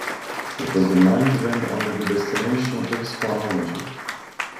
It was the ninth event under the Destination X chronology.